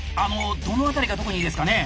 どの辺りが特にいいですかね？